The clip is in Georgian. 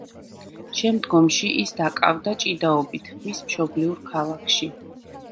შემდგომში ის დაკავდა ჭიდაობით მის მშობლიურ ქალაქში.